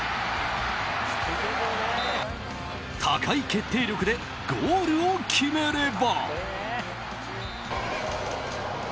高い決定力でゴールを決めれば。